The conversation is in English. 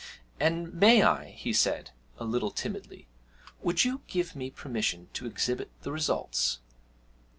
'And may I,' he said, a little timidly 'would you give me permission to exhibit the results?'